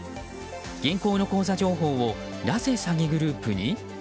銀行の口座情報をなぜ詐欺グループに？